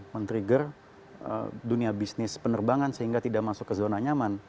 men trigger dunia bisnis penerbangan sehingga tidak masuk ke zona nyaman